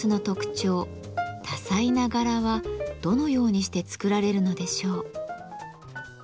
多彩な柄はどのようにして作られるのでしょう？